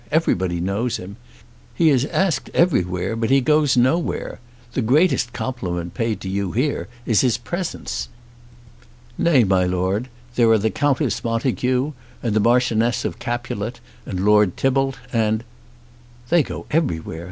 Everybody knows him. He is asked everywhere, but he goes nowhere. The greatest compliment paid to you here is his presence." "Nay, my Lord, there are the Countess Montague, and the Marchioness of Capulet, and Lord Tybalt, and " "They go everywhere.